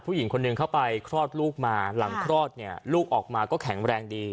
ผู้หญิงคนหนึ่งเข้าไปคลอดลูกมาหลังคลอดเนี่ยลูกออกมาก็แข็งแรงดี